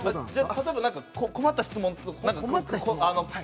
例えば困ったときとか。